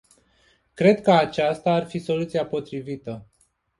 Cred ca aceasta ar fi soluția potrivită.